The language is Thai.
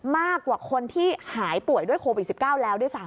มากกว่าคนที่หายป่วยด้วยโควิด๑๙แล้วด้วยซ้ำ